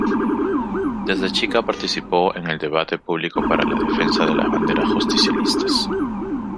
Desde chica participó en el debate público para la defensa de las banderas Justicialistas.